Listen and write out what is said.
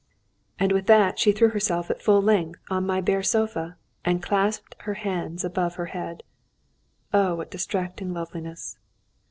And with that, she threw herself at full length on my bare sofa, and clasped her hands above her head. Oh, what distracting loveliness!